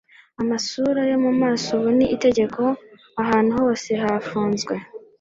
amasura yo mumaso ubu ni itegeko ahantu hose hafunzwe